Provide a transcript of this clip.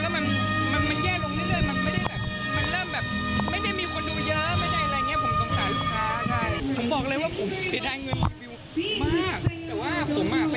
รอว่างแล้วก็จะมารับงานรีวิวครับผม